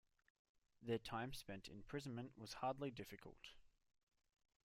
Their time spent in imprisonment was hardly difficult.